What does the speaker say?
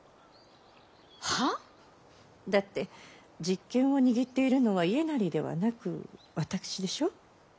だって実権を握っているのは家斉ではなく私でしょう？